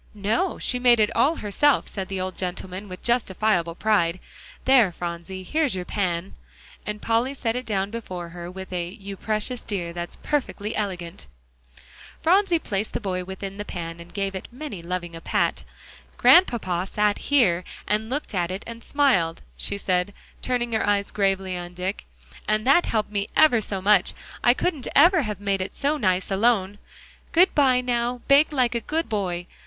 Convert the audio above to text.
"No; she made it all herself," said the old gentleman, with justifiable pride. "There, Phronsie, here's your pan," as Polly set it down before her with a "You precious dear, that's perfectly elegant!" Phronsie placed the boy within the pan, and gave it many a loving pat. "Grandpapa sat here, and looked at it, and smiled," she said, turning her eyes gravely on Dick, "and that helped ever so much. I couldn't ever have made it so nice alone. Good by; now bake like a good boy.